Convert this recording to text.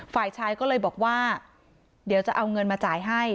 ฝ่ายชายก็เลยบอกว่าเดี๋ยวจะเอาเงินมาจ่ายให้